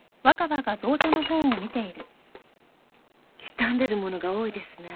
傷んでるものが多いですね。